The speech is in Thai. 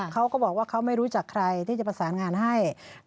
เขาก็บอกว่าเขาไม่รู้จักใครที่จะประสานงานให้